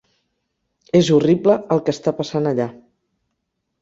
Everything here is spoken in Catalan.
És horrible el que està passant allà.